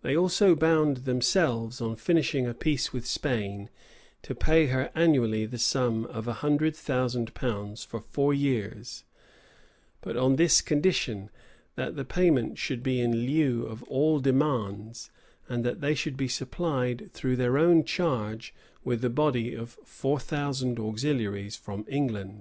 They also bound themselves, on finishing a peace with Spain, to pay her annually the sum of a hundred thousand pounds for four years; but on this condition, that the payment should be in lieu of all demands, and that they should be supplied, though at their own charge, with a body of four thousand auxiliaries from England.